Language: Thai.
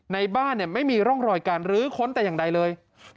ในบ้านไม่มีร่องรอยการรื้อค้นแต่อย่างใดเลย